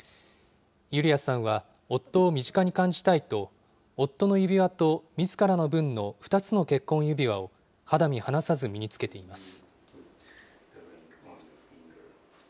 ユリアさんは、夫を身近に感じたいと、夫の指輪とみずからの分の２つの結婚指輪を、肌身離さず身につけています。